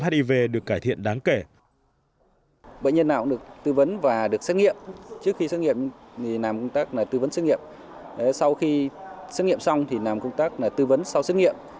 sau khi xét nghiệm xong thì làm công tác tư vấn sau xét nghiệm